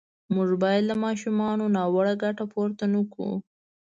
موږ باید له ماشومانو ناوړه ګټه پورته نه کړو.